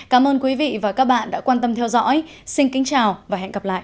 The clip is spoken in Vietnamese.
cảm ơn quý vị và các bạn đã quan tâm theo dõi xin kính chào và hẹn gặp lại